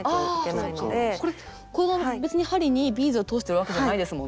別に針にビーズは通しているわけじゃないですもんね。